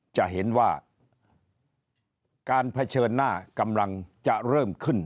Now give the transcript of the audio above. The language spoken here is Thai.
จะเห็นว่าการเผชิญหน้ากำลังจะเริ่มขึ้น